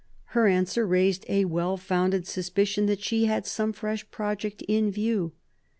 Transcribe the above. Her answer raised a well founded suspicion that she had some fresh project in view.